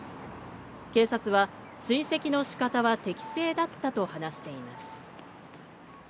警察は、追跡の仕方は適正だったと話しています。